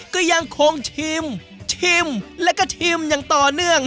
ก็ยังคงชิมชิมแล้วก็ชิมอย่างต่อเนื่อง